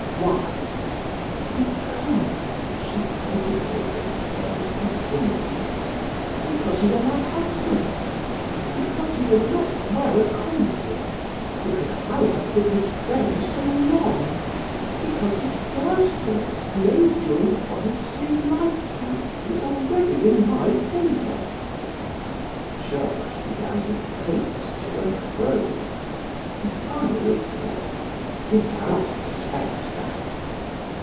"Why?" "Because," she hesitated, then continued: "Because you are my husband; because you were not well acquainted; because I have been his friend so long; because his first will, made during Forestier's lifetime, was already in my favor." Georges began to pace to and fro. He finally said: "You cannot accept that."